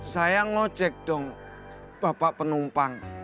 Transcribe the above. saya ngocek dong bapak penumpang